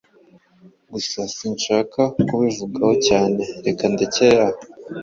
gusa sinshaka kubivugaho cyane reka ndekere aho,